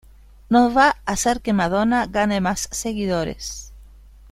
No va hacer que Madonna gane más seguidores.